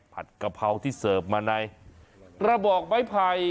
กะเพราที่เสิร์ฟมาในระบอกไม้ไผ่